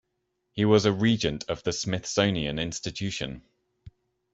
He was a regent of the Smithsonian Institution.